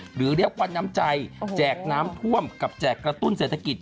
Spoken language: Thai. หรือเรียกว่าน้ำใจแจกน้ำท่วมกับแจกกระตุ้นเศรษฐกิจ